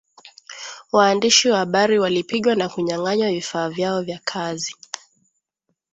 waandishi wa habari wakipigwa na kunyang anywa vifaa vyao vya kazi